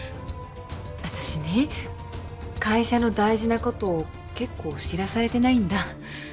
私ね会社の大事なこと結構知らされてないんだ。